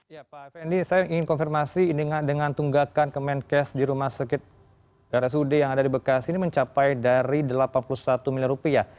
ya pak fnd saya ingin konfirmasi dengan tunggakan kemenkes di rumah sakit rsud yang ada di bekasi ini mencapai dari delapan puluh satu miliar rupiah